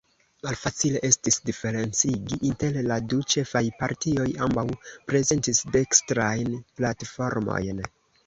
Malfacile estis diferencigi inter la du ĉefaj partioj: ambaŭ prezentis dekstrajn platformojn.